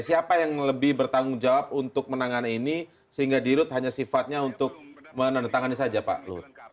siapa yang lebih bertanggung jawab untuk menangan ini sehingga dirut hanya sifatnya untuk menandatangani saja pak luhut